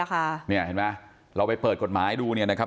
อ่ะค่ะเนี่ยเห็นไหมเราไปเปิดกฎหมายดูเนี่ยนะครับท่าน